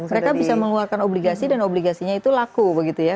mereka bisa mengeluarkan obligasi dan obligasinya itu laku begitu ya